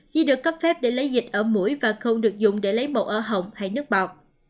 khi được cấp phép để lấy dịch ở mũi và khâu được dùng để lấy mẫu ở hồng hay nước bọt